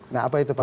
nah apa itu pak